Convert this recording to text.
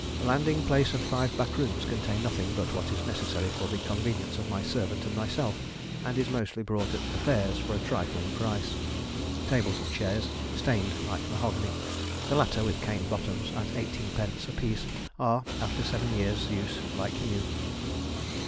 Landing place and five back rooms contain nothing but what is necessary for the convenience of my servant and myself; and is mostly bought at the fairs, for a trifling price. (Tables and chairs stained like mahogany, the latter with cane bottoms, at 18d. a piece, are, after seven years' use, like new.)